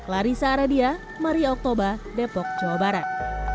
larissa aradia maria oktober depok jawa barat